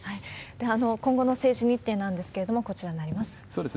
今後の政治日程なんですけれども、こちらになります。